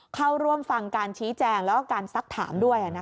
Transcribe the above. เข้าร่วมฟังการชี้แจงแล้วก็การซักถามด้วย